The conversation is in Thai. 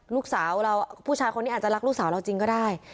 ลูกสาวเราผู้ชายคนนี้อาจจะรักลูกสาวเราจริงก็ได้